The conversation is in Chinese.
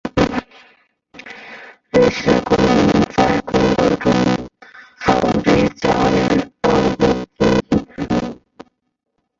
瑞士公民在公投中否决加入欧洲经济区。